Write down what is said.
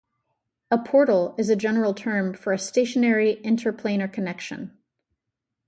A portal is a general term for a stationary interplanar connection.